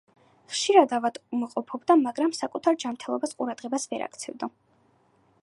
ხშირად ავადმყოფობდა, მაგრამ საკუთარ ჯანმრთელობას ყურადღებას ვერ აქცევდა.